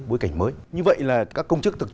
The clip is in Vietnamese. bối cảnh mới như vậy là các công chức